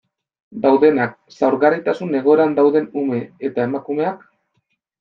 Daudenak, zaurgarritasun egoeran dauden ume eta emakumeak...